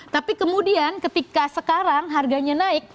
tapi kemudian ketika sekarang harganya naik